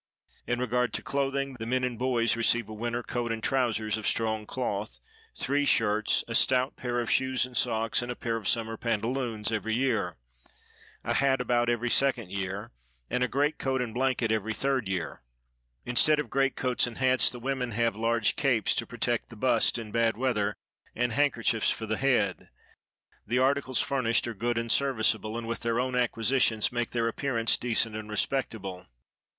In regard to clothing:—the men and boys receive a winter coat and trousers of strong cloth, three shirts, a stout pair of shoes and socks, and a pair of summer pantaloons, every year; a hat about every second year, and a great coat and blanket every third year. Instead of great coats and hats, the women have large capes to protect the bust in bad weather, and handkerchiefs for the head. The articles furnished are good and serviceable; and, with their own acquisitions, make their appearance decent and respectable.